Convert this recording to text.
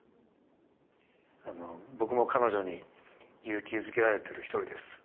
あの僕も彼女に勇気づけられてる一人です。